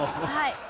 はい。